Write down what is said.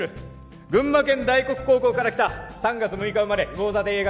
群馬県大黒高校から来た３月６日生まれ魚座でＡ型。